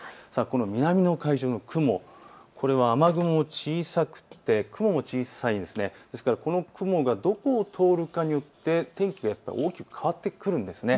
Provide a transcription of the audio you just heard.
南の海上にある雲、雨雲は小さくてこの雲がどこを通るかによって、天気が大きく変わってくるんです。